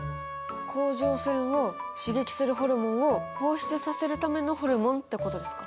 甲状腺を刺激するホルモンを放出させるためのホルモンってことですか？